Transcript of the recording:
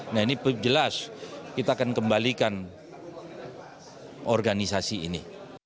nah ini jelas kita akan kembalikan organisasi ini